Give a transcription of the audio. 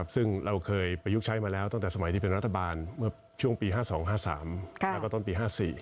ซึ่งเราเคยประยุกต์ใช้มาแล้วตั้งแต่สมัยที่เป็นรัฐบาลเมื่อช่วงปี๕๒๕๓แล้วก็ต้นปี๕๔